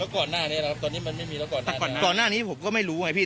ก่อนหน้านี้นะครับตอนนี้มันไม่มีแล้วก่อนแต่ก่อนหน้านี้ผมก็ไม่รู้ไงพี่